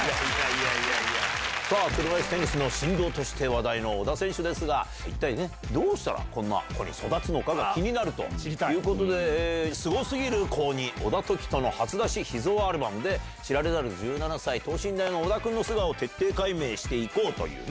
さあ、車いすテニスの神童として話題の小田選手ですが、一体、どうしたらこんな子に育つのか気になるということで、すごすぎる高２小田凱人の初出し秘蔵アルバムで、知られざる１７歳、等身大の小田君の素顔を徹底解明していこうというね。